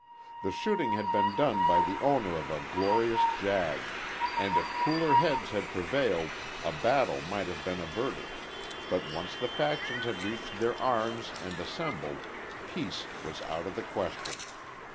The shooting had been done by the owner of a glorious jag, and if cooler heads had prevailed a battle might have been averted, but once the factions had reached their arms and assembled, peace was out of the question.